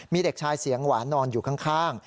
มีเด็กชายเสียงหวานนอนอยู่ข้าง